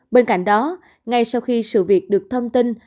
bên cạnh đó ngay sau khi sự việc được thông tin